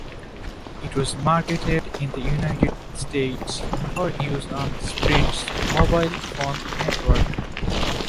It was marketed in the United States for use on Sprint's mobile phone network.